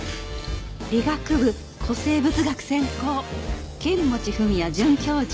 「理学部古生物学専攻剣持史也准教授」